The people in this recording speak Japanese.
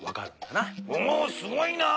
おすごいな。